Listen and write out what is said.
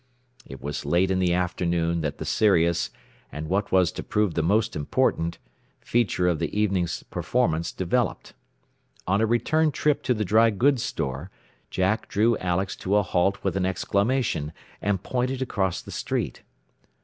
It was late in the afternoon that the serious, and what was to prove the most important, feature of the evening's performance developed. On a return trip to the dry goods store Jack drew Alex to a halt with an exclamation, and pointed across the street.